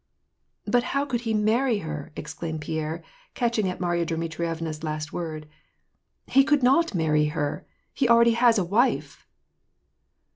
" But how could he marry her ?" exclaimed Pierre, catch ing at Mary a Dmitrievna's last word. " He could not marry her : he already has a wife."